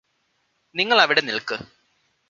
നിങ്ങളവിടെ നില്ക്ക്